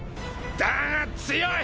だが強い！